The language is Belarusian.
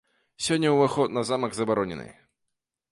Сёння ўваход на замак забаронены.